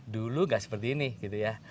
dulu gak seperti ini gitu ya